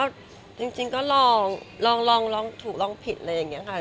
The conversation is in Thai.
ไม่หรอกก็จริงก็ลองถูกลองผิดอะไรอย่างนี้ค่ะ